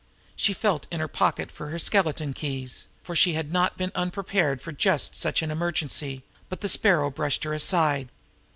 She felt in her pocket for her skeleton keys, for she had not been unprepared for just such an emergency, but the Sparrow brushed her aside.